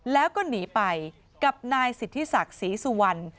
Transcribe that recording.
แล้วก็หนีไปกับนายสิทธิศักดิ์ศรีสุวรรณ